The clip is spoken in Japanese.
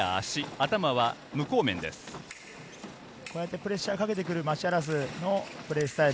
プレッシャーをかけてくるマシアラスのプレースタイル。